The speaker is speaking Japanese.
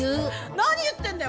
何言ってんだよ